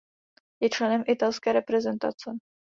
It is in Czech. Je členem italské reprezentace.